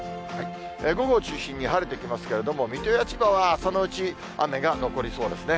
午後を中心に晴れてきますけれども、水戸や千葉は朝のうち、雨が残りそうですね。